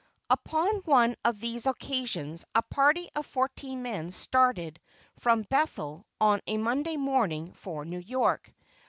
Upon one of these occasions a party of fourteen men started from Bethel on a Monday morning for New York.